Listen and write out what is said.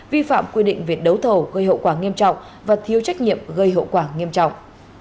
vi phạm quy định về đấu thầu gây hậu quả nghiêm trọng và thiếu trách nhiệm gây hậu quả nghiêm trọng